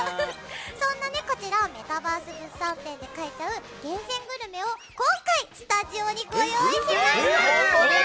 そんなメタバース物産展で買えちゃう厳選グルメを今回、スタジオにご用意しました。